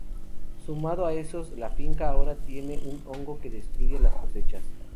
Sumado a esto, la finca ahora tiene un hongo que destruye las cosechas.